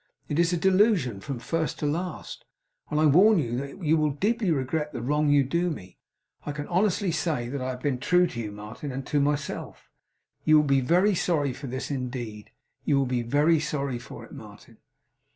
It is a delusion from first to last; and I warn you that you will deeply regret the wrong you do me. I can honestly say that I have been true to you, and to myself. You will be very sorry for this. Indeed, you will be very sorry for it, Martin.